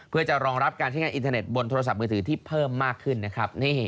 เพื่อจะรองรับการใช้งานอินเทอร์เน็ตบนโทรศัพท์มือถือที่เพิ่มมากขึ้นนะครับ